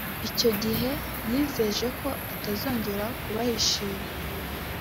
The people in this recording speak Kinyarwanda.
Icyo gihe yizeje ko atazongera kubahishira